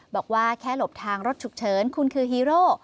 บอกว่าแค่หลบทางรถฉุกเฉินคุณคือฮีโร่